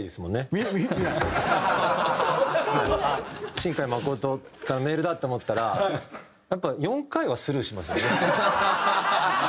新海誠からメールだって思ったらやっぱ４回はスルーしますよね。